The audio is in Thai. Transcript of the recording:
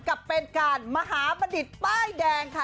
กับเป็นการมหาบัณฑิตป้ายแดงค่ะ